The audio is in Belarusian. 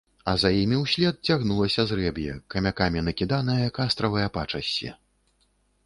А за імі ўслед цягнулася зрэб'е, камякамі накіданае кастравае пачассе.